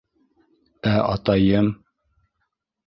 Ә атайым...